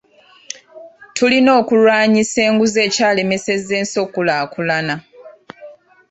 Tulina okulwanyisa enguzi ekyalemesezza ensi okukulaakulana.